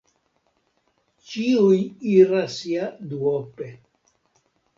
Ĉiuj iras ja duope.